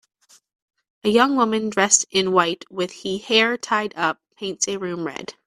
A young woman dressed in white with he hair tied up paints a room red.